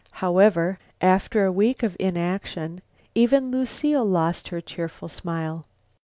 However, after a week of inaction, even Lucile lost her cheerful smile.